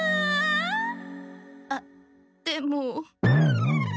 あっでも。